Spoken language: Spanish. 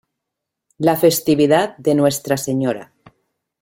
La Festividad de Nuestra Sra.